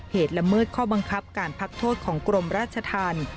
ละเมิดข้อบังคับการพักโทษของกรมราชธรรม